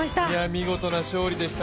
見事な勝利でした。